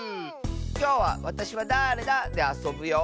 きょうは「わたしはだれだ？」であそぶよ！